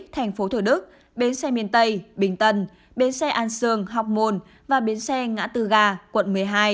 thành phố thừa đức bến xe miền tây bình tân bến xe an sương học môn và bến xe ngã từ gà quận một mươi hai